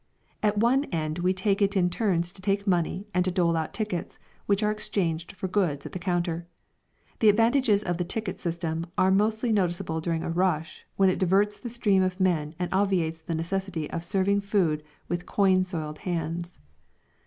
At one end we take it in turns to take money and to dole out tickets, which are exchanged for goods at the counter. The advantages of the ticket system are mostly noticeable during a "rush," when it diverts the stream of men and obviates the necessity of serving food with coin soiled hands.